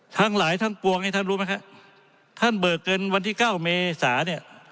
ทั้งหลายทั้งปวงให้ท่านรู้ไหมครับท่านเบิกเงินวันที่เก้าเมษาเนี่ย